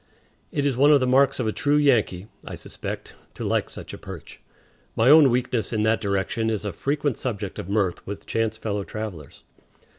It is one of the marks of a true Yankee, I suspect, to like such a perch. My own weakness in that direction is a frequent subject of mirth with chance fellow travelers.